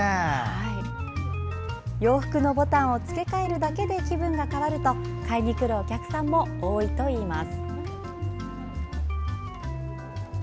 洋服のボタンを付け替えるだけで気分が変わると買いにくるお客さんも多いといいます。